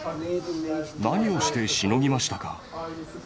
何をしてしのぎましたか？